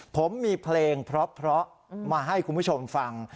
ผมมีเพลงเพราะมาให้คุณผู้ชมฟัง